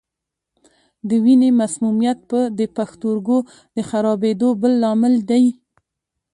د وینې مسمومیت د پښتورګو د خرابېدو بل لامل دی.